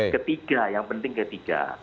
ketiga yang penting ketiga